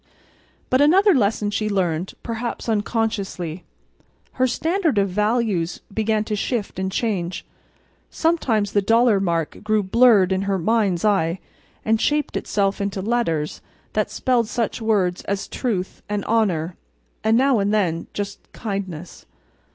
But, another lesson she learned, perhaps unconsciously. Her standard of values began to shift and change. Sometimes the dollar mark grew blurred in her mind's eye, and shaped itself into letters that spelled such words as "truth" and "honor" and now and then just "kindness."